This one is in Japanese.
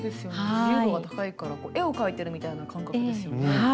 自由度が高いから絵を描いてるみたいな感覚ですよね。